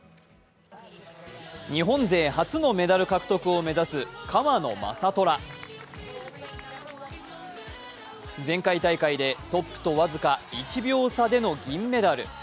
日本勢初のメダル獲得を目指す川野将虎前回大会でトップと僅か１秒差での銀メダル。